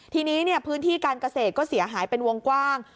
ทีนี้พื้นที่การเกษตรก็เสียหายเป็นวงกว้าง